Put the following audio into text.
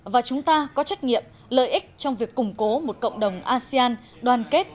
và chúng ta có trách nhiệm lợi ích trong việc củng cố một cộng đồng asean đoàn kết